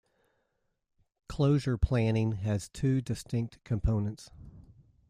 Closure planning has two distinct components.